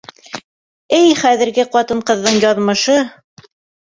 Эй, хәҙерге ҡатын-ҡыҙҙың яҙмышы!..